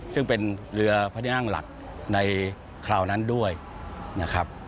ซึ่งเป็นเรือพระที่นั่งหลักในคราวนั้นด้วยนะครับ